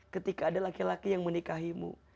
ketika ada laki laki yang menikahimu